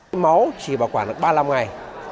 hiến máu chỉ bảo quản được ba mươi năm ngày